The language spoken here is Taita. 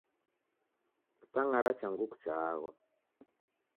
Kitang'ara cha nguku chaaghwa